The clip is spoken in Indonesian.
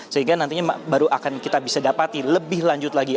sehingga nantinya baru akan kita bisa dapati lebih lanjut lagi